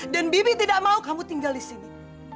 dan bibi tidak mau kamu tinggal di sini